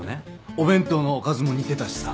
お弁当のおかずも似てたしさ。